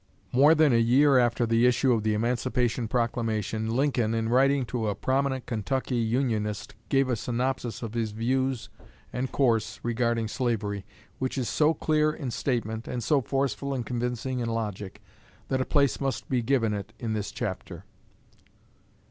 More than a year after the issue of the Emancipation Proclamation, Lincoln, in writing to a prominent Kentucky Unionist, gave a synopsis of his views and course regarding slavery, which is so clear in statement, and so forceful and convincing in logic, that a place must be given it in this chapter.